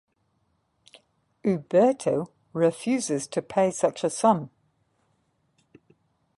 Uberto refuses to pay such a sum.